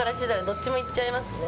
どっちもいっちゃいますね。